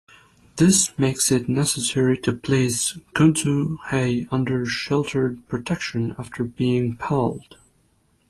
This makes it necessary to place kudzu hay under sheltered protection after being baled.